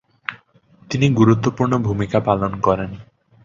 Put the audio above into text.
তিনি গুরুত্বপূর্ণ ভুমিকা পালন করেন।